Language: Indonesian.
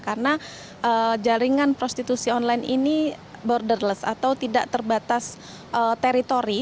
karena jaringan prostitusi online ini borderless atau tidak terbatas teritori